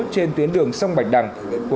trên tuyến đường sông bạch đằng